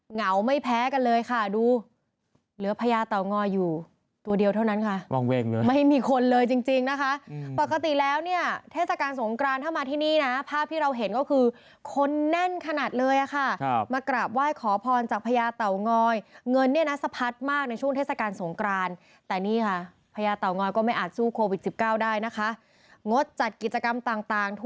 เหงาไม่แพ้กันเลยค่ะดูเหลือพญาเตางอยอยู่ตัวเดียวเท่านั้นค่ะ